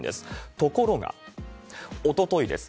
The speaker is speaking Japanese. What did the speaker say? ところが、おとといです。